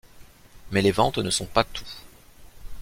Mais les ventes ne sont pas tout.